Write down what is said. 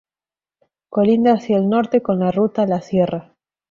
Colinda hacia el norte con la ruta La Sierra.